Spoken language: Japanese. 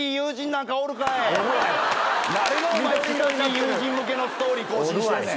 誰が親しい友人向けのストーリー更新しとんねん。